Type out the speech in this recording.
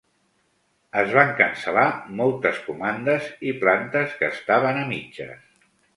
Es van cancel·lar moltes comandes i plantes que estaven a mitges.